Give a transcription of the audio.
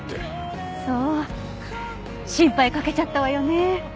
そう心配かけちゃったわよね。